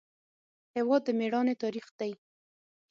هېواد د میړانې تاریخ دی.